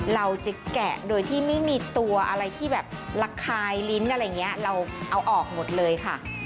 เราจะแกะโดยที่ไม่มีตัวอะไรที่แบบระคายลิ้นอะไรอย่างนี้เราเอาออกหมดเลยค่ะ